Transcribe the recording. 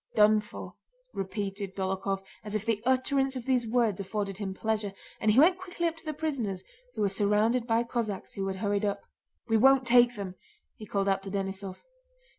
"Done for!" repeated Dólokhov as if the utterance of these words afforded him pleasure, and he went quickly up to the prisoners, who were surrounded by Cossacks who had hurried up. "We won't take them!" he called out to Denísov.